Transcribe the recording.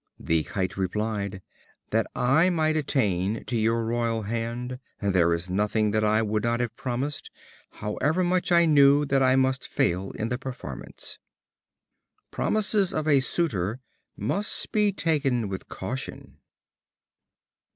The Kite replied: "That I might attain to your royal hand, there is nothing that I would not have promised, however much I knew that I must fail in the performance." Promises of a suitor must be taken with caution.